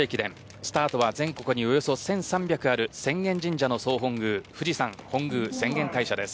スタートは全国におよそ１３００ある浅間神社の総本宮富士山本宮浅間大社です。